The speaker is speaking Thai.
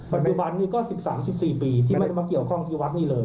ปัจจุบันนี้ก็๑๓๑๔ปีที่ไม่ได้มาเกี่ยวข้องที่วัดนี้เลย